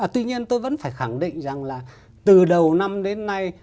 tuy nhiên tôi vẫn phải khẳng định rằng là từ đầu năm đến nay